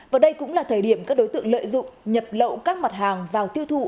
và đây cũng là thời điểm các đối tượng lợi dụng nhập lậu các mặt hàng vào tiêu thụ